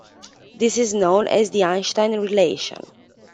This is known as the Einstein relation.